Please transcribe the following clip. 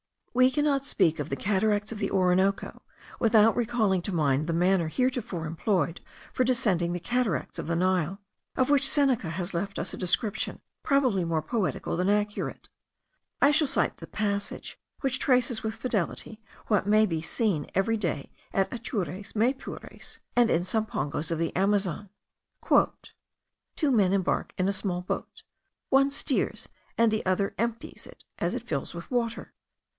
We cannot speak of the cataracts of the Orinoco without recalling to mind the manner heretofore employed for descending the cataracts of the Nile, of which Seneca has left us a description probably more poetical than accurate. I shall cite the passage, which traces with fidelity what may be seen every day at Atures, Maypures, and in some pongos of the Amazon. "Two men embark in a small boat; one steers, and the other empties it as it fills with water.